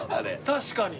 確かに。